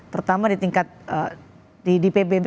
terutama di tingkat di pbb